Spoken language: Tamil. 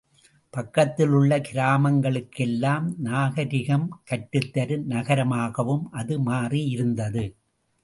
பக்கத்தில் உள்ள கிராமங்களுக்கெல்லாம் நாகரிகம் கற்றுத் தரும் நகரமாகவும் அது மாறியிருந்தது.